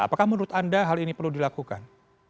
apakah menurut anda hal ini perlu dilakukan